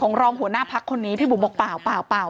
ของรองหัวหน้าพักภูมิพี่บุ๋มบอกป่าว